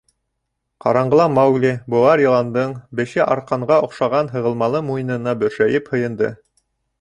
Ҡараңғыла Маугли быуар йыландың беше арҡанға оҡшаған һығылмалы муйынына бөршәйеп һыйынды.